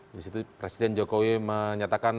di situ presiden joko widodo menyatakan